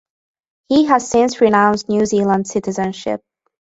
He has since renounced New Zealand citizenship.